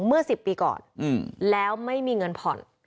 เมื่อสิบปีก่อนอืมแล้วไม่มีเงินผอด